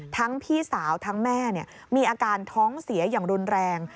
พี่สาวทั้งแม่มีอาการท้องเสียอย่างรุนแรง